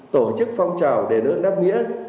tổ chức phong trào đền ơn đáp nghĩa